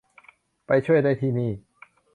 ไปช่วยได้ที่นี่